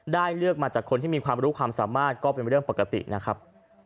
เลือกมาจากคนที่มีความรู้ความสามารถก็เป็นเรื่องปกตินะครับ